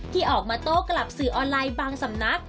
ที่ออกมาโต้กลับสื่อออนไลน์บางสำนัก